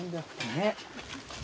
ねっ。